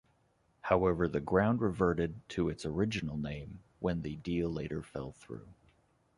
However, the ground reverted to its original name when the deal later fell through.